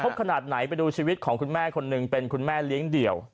ขนาดไหนไปดูชีวิตของคุณแม่คนหนึ่งเป็นคุณแม่เลี้ยงเดี่ยว